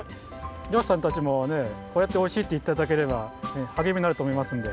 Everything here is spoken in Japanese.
りょうしさんたちもねこうやって「おいしい」っていっていただければはげみになるとおもいますので。